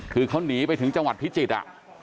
คือเขาหนีไปถึงจังหวัดพิจิตรอ